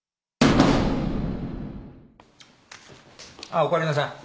ああお帰りなさい。